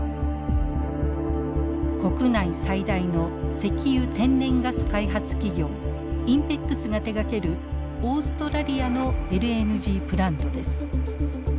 国内最大の石油天然ガス開発企業ＩＮＰＥＸが手がけるオーストラリアのＬＮＧプラントです。